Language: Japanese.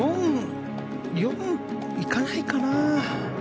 ４行かないかな。